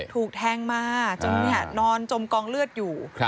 ถูกแทงมาจนนอนจมกองเลือดอยู่